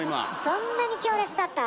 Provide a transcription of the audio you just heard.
そんなに強烈だった？